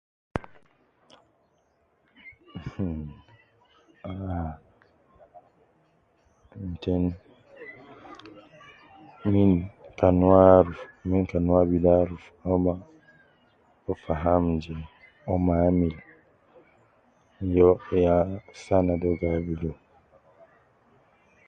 Mh,ah, ten min kan uwo aruf min kan uwo abidu aruf au ma uwo faham je uwo ma amil yo ya saa naade uwo gi abidu.